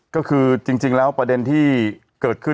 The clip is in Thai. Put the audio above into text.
ก็คือจริงแล้วประเด็นที่เกิดขึ้น